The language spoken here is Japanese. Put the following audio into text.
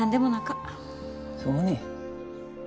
そうね。